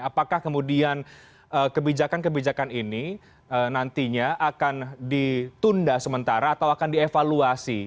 apakah kemudian kebijakan kebijakan ini nantinya akan ditunda sementara atau akan dievaluasi